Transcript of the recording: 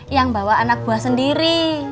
yang bawa anak buah sendiri